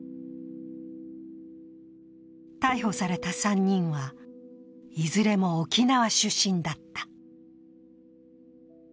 逮捕された３人は、いずれも沖縄出身だった。